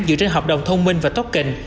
dựa trên hợp đồng thông minh và token